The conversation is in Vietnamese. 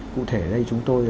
cụ thể đây chúng tôi